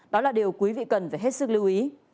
đó là điều quý vị cần phải hết sức lưu ý